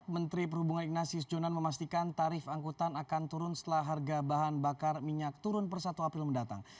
menteri perhubungan ignasius jonan memastikan tarif angkutan akan turun setelah harga bahan bakar minyak turun per satu april mendatang